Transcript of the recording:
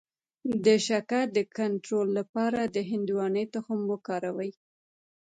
د شکر د کنټرول لپاره د هندواڼې تخم وکاروئ